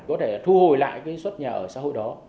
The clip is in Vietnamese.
có thể thu hồi lại cái suất nhà ở xã hội đó